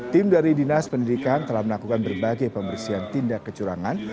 tim dari dinas pendidikan telah melakukan berbagai pembersihan tindak kecurangan